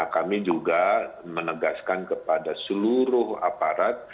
kami juga menegaskan kepada seluruh aparat